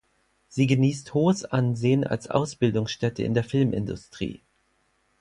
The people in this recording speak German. Sie genießt hohes Ansehen als Ausbildungsstätte in der Filmindustrie.